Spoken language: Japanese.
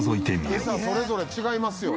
エサそれぞれ違いますよ。